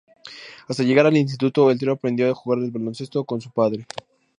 Hasta llegar al instituto, el trío aprendió a jugar al baloncesto con su padre.